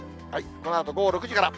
このあと午後６時から。